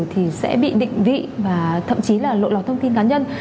thì sẽ bị định vị và thậm chí là lộ lọt thông tin cá nhân